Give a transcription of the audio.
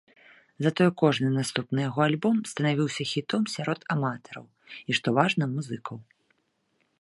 Затое кожны наступны ягоны альбом станавіўся хітом сярод аматараў, і што важна, музыкаў.